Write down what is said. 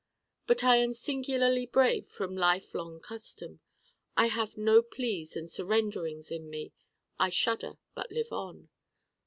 But I am singularly brave from life long custom. I have no pleas and surrenderings in me. I shudder but live on.